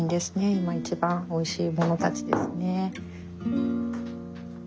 今一番おいしいものたちですね。